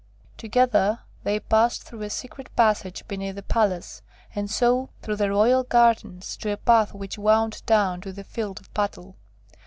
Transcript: Together they passed through a secret passage beneath the Palace, and so through the royal gardens, to a path which wound down to the field of battle.